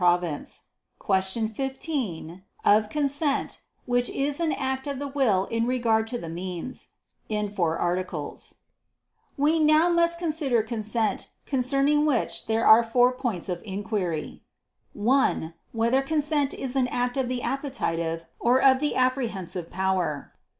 ________________________ QUESTION 15 OF CONSENT, WHICH IS AN ACT OF THE WILL IN REGARD TO THE MEANS (In Four Articles) We must now consider consent; concerning which there are four points of inquiry: (1) Whether consent is an act of the appetitive or of the apprehensive power?